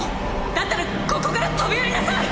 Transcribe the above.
だったらここから飛び降りなさい！